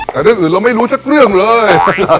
แต่เรื่องอื่นเราไม่รู้สักเรื่องเลย